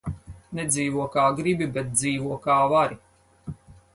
Nedzīvo, kā gribi, bet dzīvo, kā vari.